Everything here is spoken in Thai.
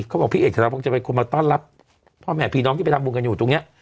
เขาบอกพี่เอกสรพงศ์จะเป็นคนมาต้อนรับพ่อแม่พี่น้องที่ไปทำบุญกันอยู่ตรงนี้